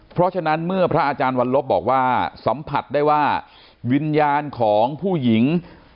เพราะฉะนั้นเมื่อพระอาจารย์วันลบบอกว่าสัมผัสได้ว่าวิญญาณของผู้หญิง